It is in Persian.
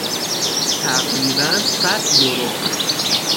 تقریبا صد یورو.